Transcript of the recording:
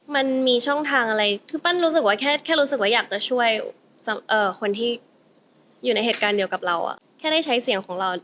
มันมีช่องทางอะไร